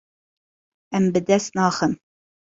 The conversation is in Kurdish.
Em bi dest naxin.